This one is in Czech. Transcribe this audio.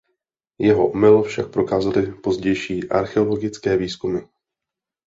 Jeho omyl však prokázaly pozdější archeologické výzkumy.